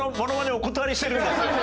お断りしてるんですよ